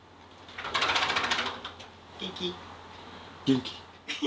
元気。